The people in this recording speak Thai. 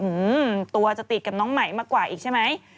อืมตัวจะติดกับน้องไหมมากกว่าอีกใช่ไหม